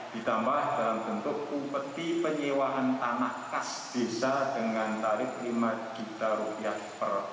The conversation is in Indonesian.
ditambah dalam bentuk upeti penyewahan tanah kas desa dengan tarik lima juta rupiah per hektare